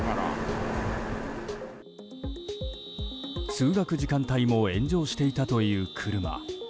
通学時間帯も炎上していたという車。